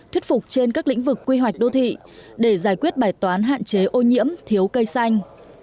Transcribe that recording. thuyết phục trên các lĩnh vực quy hoạch đô thị để giải quyết bài toán hạn chế ô nhiễm thiếu cây xanh